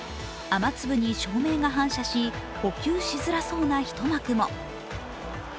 雨粒に照明が反射し捕球しづらそうな一幕も。